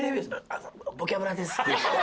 「あの『ボキャブラ』です」って。